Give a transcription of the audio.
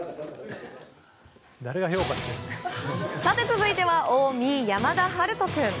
続いては近江、山田陽翔君。